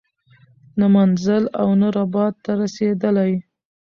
نه منزل او نه رباط ته رسیدلی